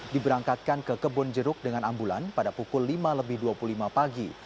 diberangkatkan ke kebun jeruk dengan ambulan pada pukul lima lebih dua puluh lima pagi